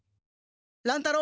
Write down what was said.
乱太郎！